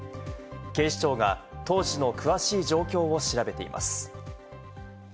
警視庁が当時の詳しい状況を調べています。